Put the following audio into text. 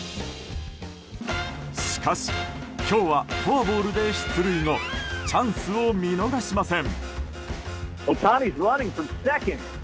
しかし、今日はフォアボールで出塁後チャンスを見逃しません。